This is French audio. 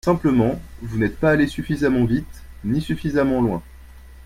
Simplement, vous n’êtes pas allés suffisamment vite, ni suffisamment loin.